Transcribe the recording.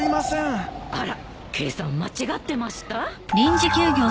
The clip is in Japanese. あら計算間違ってました？